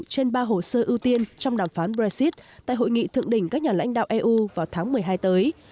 trên ba hồ sơ ưu tiên trong đàm phán brexit tại hội nghị thượng đỉnh các nhà lãnh đạo eu vào tháng một mươi hai tới